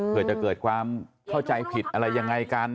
เพื่อจะเกิดความเข้าใจผิดอะไรยังไงกัน